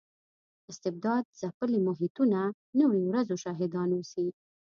استبداد ځپلي محیطونه نویو ورځو شاهدان اوسي.